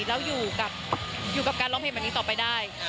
แล้วอยู่กับการร้องเพลงแบบนี้ต่อไปได้